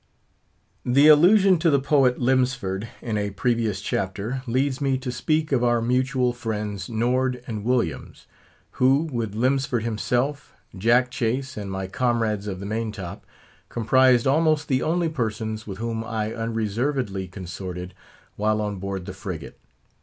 The allusion to the poet Lemsford in a previous chapter, leads me to speak of our mutual friends, Nord and Williams, who, with Lemsford himself, Jack Chase, and my comrades of the main top, comprised almost the only persons with whom I unreservedly consorted while on board the frigate.